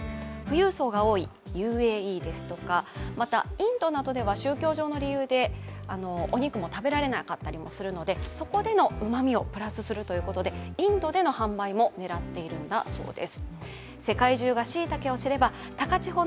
インドは宗教上の理由でお肉が食べられなかったりするのでそこでのうまみをプラスするということでインドでの販売も狙っているんだそうです。